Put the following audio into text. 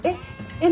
えっ？